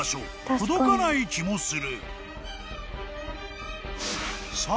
［届かない気もする］